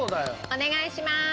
お願いしまーす。